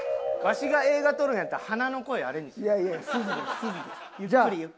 わしが映画撮るんやったら花の声あれにする。